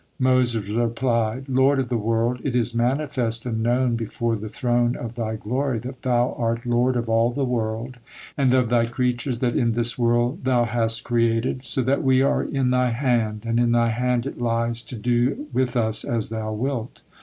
Moses replied: "Lord of the world! It is manifest and known before the Throne of Thy glory, that Thou art Lord of all the world and of Thy creatures that in this world Thou hast created, so that we are in Thy hand, and in Thy hand it lies to do with us as Thou wilt.